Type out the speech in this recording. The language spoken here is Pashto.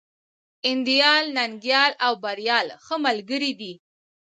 انديال، ننگيال او بريال ښه ملگري دي.